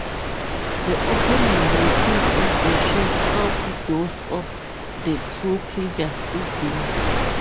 The opening ratings of the show topped those of the two previous seasons.